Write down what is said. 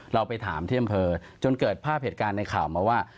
เราไปถามที่อำเภอจนเกิดภาพเหตุการณ์ในข่าวมาว่า